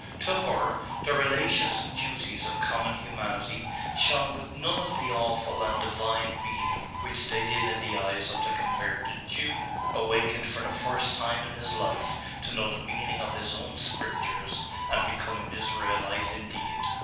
To her, the relations and duties of common humanity shone with none of the awful and divine meaning which they did in the eyes of the converted Jew, awakened for the first time in his life to know the meaning of his own scriptures, and become an Israelite indeed.